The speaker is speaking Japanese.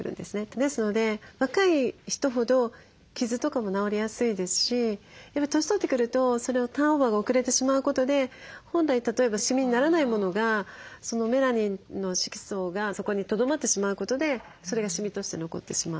ですので若い人ほど傷とかも治りやすいですしやっぱり年取ってくるとそれをターンオーバーが遅れてしまうことで本来例えばしみにならないものがメラニンの色素がそこにとどまってしまうことでそれがしみとして残ってしまう。